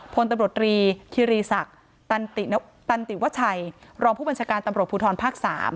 พนธ์ตำรศี่คิรีศักรณ์ตันติวัทชัยรองพู้บัญชการตำรวจภูทรภาค๓